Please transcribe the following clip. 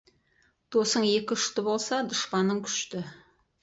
Досың екі ұшты болса, дұшпаның күшті.